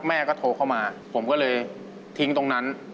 แม่ก็โทรเข้ามาผมก็เลยทิ้งตรงนั้น